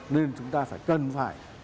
nên chúng ta phải cần phải